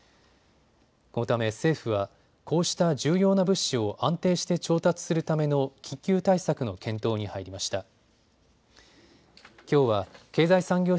このため政府はこうした重要な物資を安定して調達するための緊急対策の検討に入りました。